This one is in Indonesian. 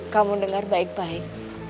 kamu dengar baik baik